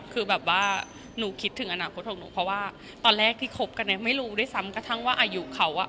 คือแบบว่าหนูคิดถึงอนาคตของหนูเพราะว่าตอนแรกที่คบกันเนี่ยไม่รู้ด้วยซ้ำกระทั่งว่าอายุเขาอ่ะ